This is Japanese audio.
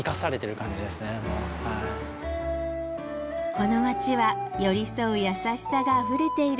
この街は寄り添う優しさがあふれている